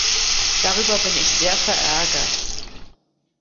Darüber bin ich sehr verärgert.